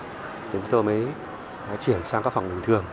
thì chúng tôi mới chuyển sang các phòng bình thường